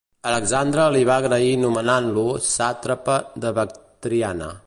Alexandre li va agrair nomenant-lo sàtrapa de Bactriana.